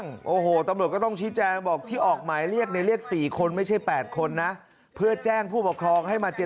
ก็พอรับมีที่เหมือนมีคนที่บอกว่าเรารู้จักกับกำรวจหรืออะไรพบมีจริง